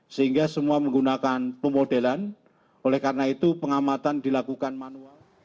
sehingga semua menggunakan pemodelan oleh karena itu pengamatan dilakukan manual